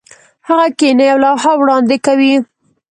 هغه کښېني او لوحه وړاندې کوي.